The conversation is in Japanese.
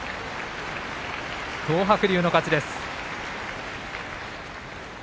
東白龍の勝ちです。